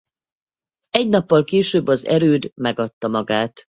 Egy nappal később az erőd megadta magát.